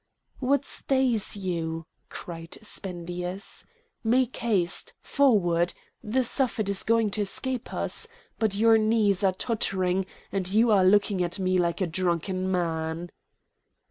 "What stays you?" cried Spendius. "Make haste! Forward! The Suffet is going to escape us! But your knees are tottering, and you are looking at me like a drunken man!"